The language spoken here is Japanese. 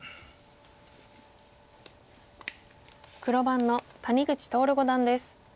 黒番の谷口徹五段です。